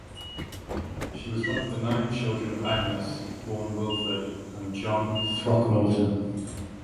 She was one of the nine children of Agnes (born Wilford) and John Throckmorton.